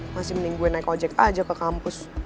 mending gw naik ojek aja ke kampus